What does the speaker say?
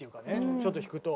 ちょっと弾くと。